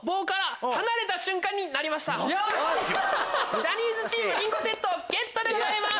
ジャニーズチームリンゴセットゲットでございます！